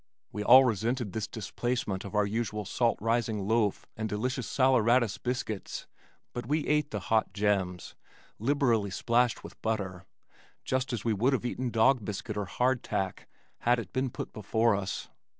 We all resented this displacement of our usual salt rising loaf and delicious saleratus biscuits but we ate the hot gems, liberally splashed with butter, just as we would have eaten dog biscuit or hardtack had it been put before us.